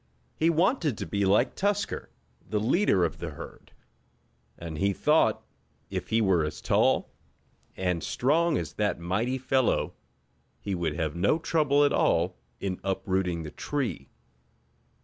He wanted to be like Tusker, the leader of the herd, and he thought if he were as tall, and strong as that mighty fellow he would have no trouble at all in uprooting the tree.